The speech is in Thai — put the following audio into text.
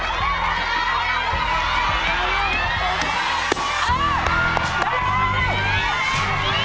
โจทย์สั้นต์พอซะสายได้แล้วฮะ